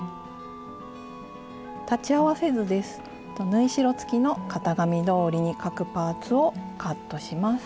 縫い代つきの型紙どおりに各パーツをカットします。